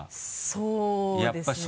そうですね。